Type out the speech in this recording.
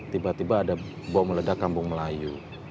tiba tiba ada bom meledak kampung melayu